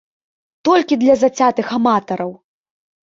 Толькі для зацятых аматараў!